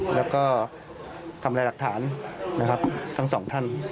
แล้วก็ทำลายหลักฐานนะครับทั้งสองท่าน